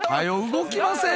動きません？